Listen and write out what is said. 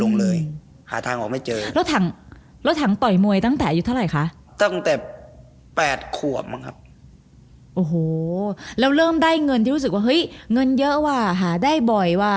ก็แมตแรกครับแมตแรกครับ